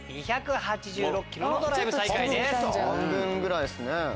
・半分ぐらいですね・